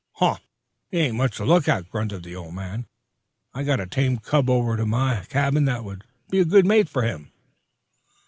"Huh! He ain't much to look at," grunted the old man. "I got a tame cub over to my cabin that would be a good mate for him."